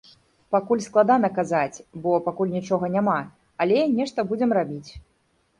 Пакуль складана казаць, бо пакуль нічога няма, але нешта будзем рабіць.